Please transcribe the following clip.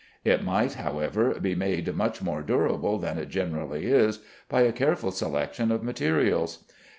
It might, however, be made much more durable than it generally is, by a careful selection of materials.